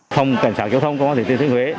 phòng cảnh sát giao thông công an thị trấn thế huế